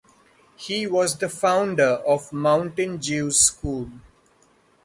He was the founder of the Mountain Jews school.